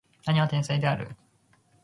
兄は天才である